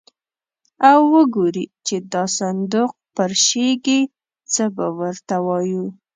او وګوري چې دا صندوق پرشېږي، څه به ور ته وایو.